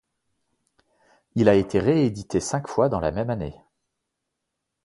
Il a été réédité cinq fois dans la même année.